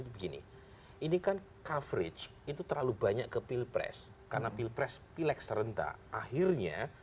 begini ini kan coverage itu terlalu banyak ke pilpres karena pilpres pilek serentak akhirnya